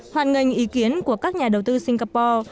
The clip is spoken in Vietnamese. hoàn ngành ý kiến của các nhà đầu tư singapore